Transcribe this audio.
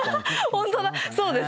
本当だ。